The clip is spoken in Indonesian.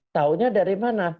tahunya dari mana